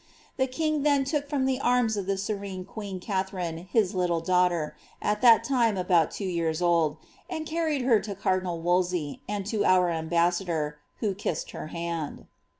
The king then took from the arms of the saeae queen Katharine his little daughter, at that time about two years old and carried her to cardiiuil Wolsey, and to our ambassador, who kissed her hand."